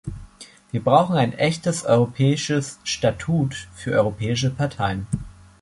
Wir brauchen ein echtes europäisches Statut für europäische Parteien.